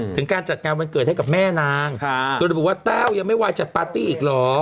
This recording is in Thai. ถึงการจัดงานวันเกิดให้กับแม่นางโดยระบุว่าแต้วยังไม่ไหวจัดปาร์ตี้อีกเหรอ